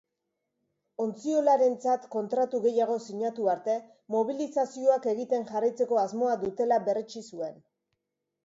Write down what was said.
Ontziolarentzat kontratu gehiago sinatu arte, mobilizazioak egiten jarraitzeko asmoa dutela berretsi zuen.